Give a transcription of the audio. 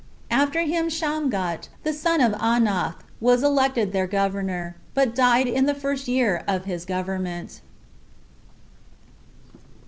After him Shamgat, the son of Anath, was elected for their governor, but died in the first year of his government.